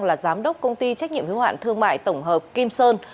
là giám đốc công ty trách nhiệm hiếu hạn thương mại tổng hợp kim sơn